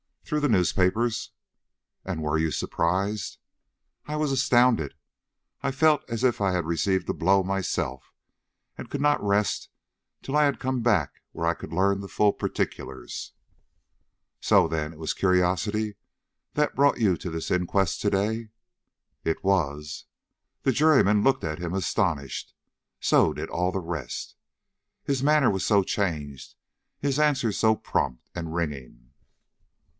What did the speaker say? "Through the newspapers." "And you were surprised?" "I was astounded; I felt as if I had received a blow myself, and could not rest till I had come back where I could learn the full particulars." "So, then, it was curiosity that brought you to the inquest to day?" "It was." The juryman looked at him astonished; so did all the rest. His manner was so changed, his answers so prompt and ringing.